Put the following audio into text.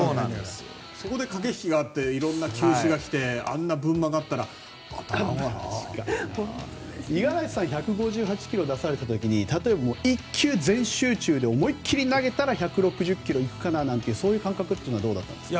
そこで駆け引きがあっていろんな球種が来てあんな、ぶん曲がったら五十嵐さんが１５８キロを出された時に１球全集中で思い切り投げたら１６０キロいくかなという感覚はどうだったんですか？